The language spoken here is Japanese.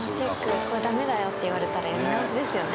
ダメだよって言われたらやり直しですよね。